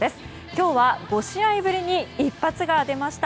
今日は５試合ぶりに一発が出ました。